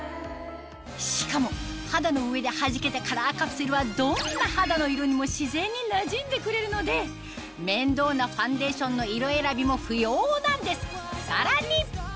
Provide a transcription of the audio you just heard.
しかも肌の上ではじけたカラーカプセルはどんな肌の色にも自然になじんでくれるので面倒なファンデーションの色選びも不要なんですさらに！